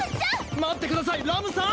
待ってくださいラムさん！